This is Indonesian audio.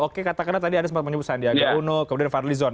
oke katakanlah tadi anda sempat menyebut sandiaga uno kemudian fadlizon